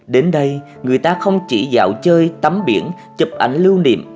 đến đây người ta không chỉ dạo chơi tắm biển chụp ảnh lưu niệm